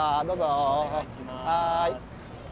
どうぞ。